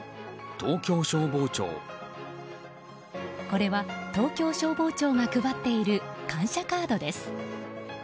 これは東京消防庁が配っている感謝カードです。